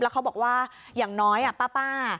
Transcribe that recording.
แล้วเขาบอกว่าอย่างน้อยอ่ะป๊าป๊า